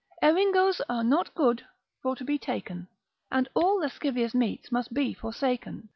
Eringos are not good for to be taken, And all lascivious meats must be forsaken.